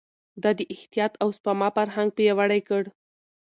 ده د احتياط او سپما فرهنګ پياوړی کړ.